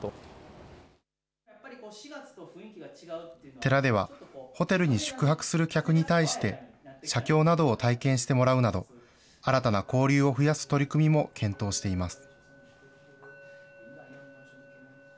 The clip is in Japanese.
寺では、ホテルに宿泊する客に対して、写経などを体験してもらうなど、新たな交流を増やす取り組みも検討しています。